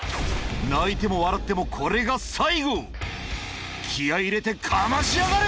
泣いても笑ってもこれが気合入れてかましやがれ！